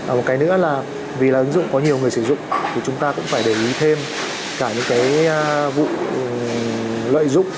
một cái nữa là vì là ứng dụng có nhiều người sử dụng thì chúng ta cũng phải để ý thêm cả những cái vụ lợi dụng